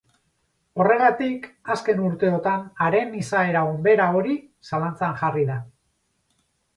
Horregatik, azken urteotan haren izaera onbera hori zalantzan jarri da.